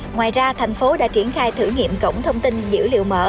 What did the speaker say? ngoài ra thành phố đã triển khai thử nghiệm cổng thông tin dữ liệu mở